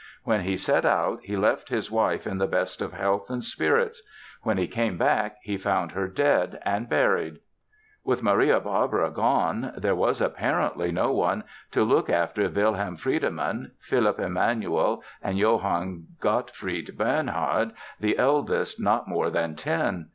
When he set out he left his wife in the best of health and spirits. When he came back he found her dead and buried. With Maria Barbara gone there was, apparently, no one to look after Wilhelm Friedemann, Philipp Emanuel and Johann Gottfried Bernhard, the eldest not more than ten.